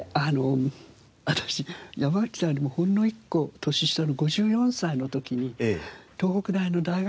私山口さんよりもほんの１個年下の５４歳の時に東北大の大学院に行ったんですね。